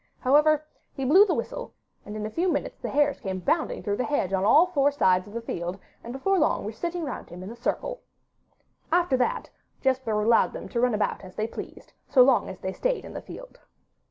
However, he blew the whistle, and in a few minutes the hares came bounding through the hedge on all the four sides of the field, and before long were all sitting round him in a circle. After that, Jesper allowed them to run about as they pleased, so long as they stayed in the field.